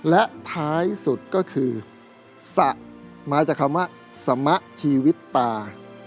และท้ายสุดก็คือสะมาจากคำว่าสมะชีวิตตา